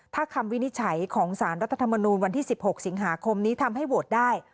ถ้าคำวินิจฉัยของสารรัฐธรรมนูลวันที่๑๖สิงหาคมนี้ทำให้โหวตได้